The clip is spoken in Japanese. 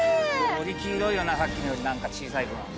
より黄色いよなさっきのより何か小さい分。